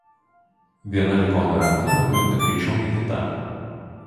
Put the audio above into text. Viena ligonio ranka nukrinta greičiau nei kita.